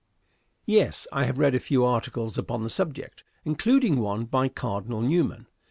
Yes; I have read a few articles upon the subject, including one by Cardinal Newman.